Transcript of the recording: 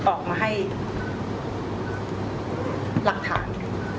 ออกมาให้หลักฐาน